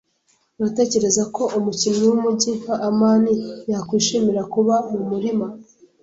Uratekereza ko umukinyi wumujyi nka amani yakwishimira kuba mumurima?